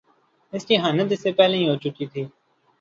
اس کی اہانت اس سے پہلے ہی ہو چکی تھی۔